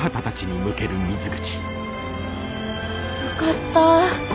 よかった。